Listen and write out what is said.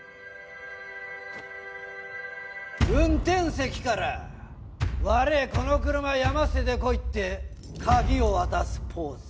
運転席から「ワレェこの車山捨ててこい」って鍵を渡すポーズ。